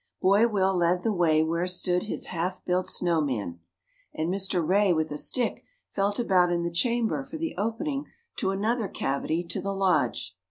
Boy Will led the way where stood his half built snow man, and Mr. Rey with a stick felt about in the chamber for the opening to another cavity to the lodge.